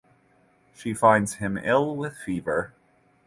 She finds him ill with fever.